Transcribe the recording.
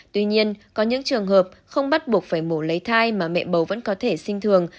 tuy nhiên có những trường hợp không bắt buộc phải mổ lấy thai mà mẹ bầu vẫn có thể sinh thường